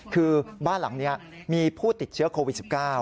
คือบ้านหลังนี้มีผู้ติดเชื้อโควิด๑๙